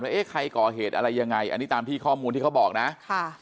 เอ๊ะใครก่อเหตุอะไรยังไงอันนี้ตามที่ข้อมูลที่เขาบอกนะค่ะ